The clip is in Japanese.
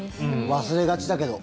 忘れがちだけど。